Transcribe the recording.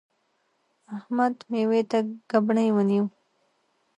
احمد؛ مېوې ته ګبڼۍ ونیو.